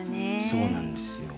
そうなんですよ。